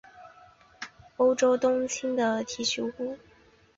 欧洲冬青的提取物可以令老鼠的血压下降至致命水平。